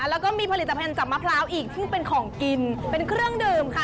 แล้วก็มีผลิตภัณฑ์จับมะพร้าวอีกซึ่งเป็นของกินเป็นเครื่องดื่มค่ะ